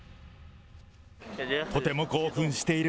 とても興奮している。